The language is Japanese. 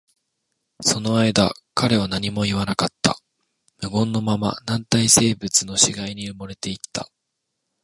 その間、彼は何も言わなかった。無言のまま、軟体生物の死骸に埋もれていった。